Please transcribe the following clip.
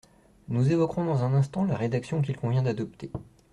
Nous évoquerons dans un instant la rédaction qu’il convient d’adopter.